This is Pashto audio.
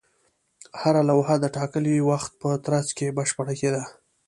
هره لوحه د ټاکلي وخت په ترڅ کې بشپړه کېده.